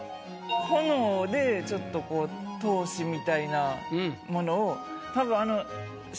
炎でちょっとこう闘志みたいなものを。